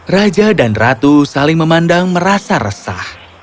raja dan ratu saling memandang merasa resah